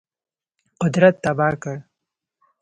قدرت تباه کړ.